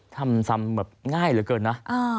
ทำซ้ำแบบง่ายเหลือเกินนะ